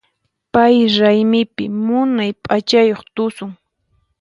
Pay raymipi munay p'achayuq tusun.